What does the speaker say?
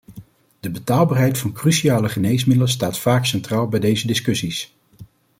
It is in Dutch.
De betaalbaarheid van cruciale geneesmiddelen staat vaak centraal bij deze discussies.